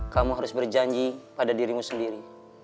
kamu harus berjanji pada dirimu sendiri